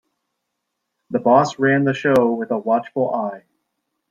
The boss ran the show with a watchful eye.